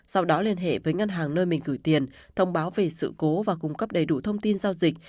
sau đó liên hệ với ngân hàng nơi mình gửi tiền thông báo về sự cố và cung cấp đầy đủ thông tin giao dịch